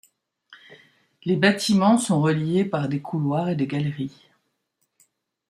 Les bâtiments sont reliés par des couloirs et des galeries.